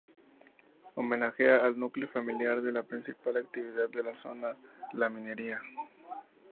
Homenajea al núcleo familiar de la principal actividad de la zona, la minería.